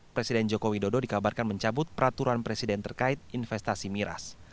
presiden joko widodo dikabarkan mencabut peraturan presiden terkait investasi miras